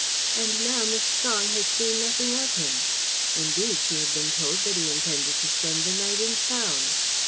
And now Miss Strong had seen nothing of him! Indeed, she had been told that he intended to spend the night in town.